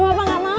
mau apa nggak mau